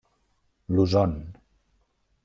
Luzon.